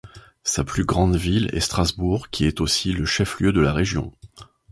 Sa plus grande ville est Strasbourg qui est aussi le chef-lieu de la région.